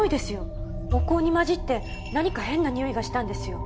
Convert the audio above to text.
お香に混じって何か変なにおいがしたんですよ。